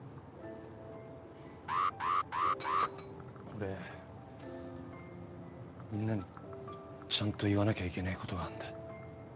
俺みんなにちゃんと言わなきゃいけねえことがあんだ。